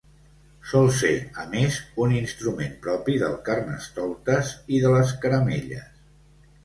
Sol ser, a més, un instrument propi del Carnestoltes i de les caramelles.